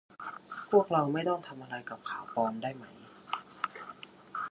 พวกเราไม่ต้องทำอะไรกับข่าวปลอมได้ไหม